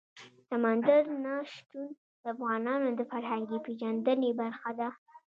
سمندر نه شتون د افغانانو د فرهنګي پیژندنې برخه ده.